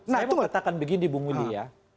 saya mau katakan begini bung windy ya